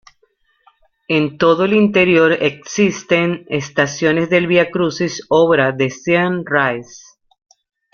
En todo el interior existen Estaciones del Vía Crucis, obra de Sean Rice.